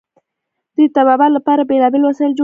دوی د طبابت لپاره بیلابیل وسایل جوړوي.